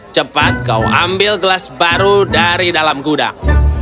cepat kau ambil gelas baru dari dalam gudang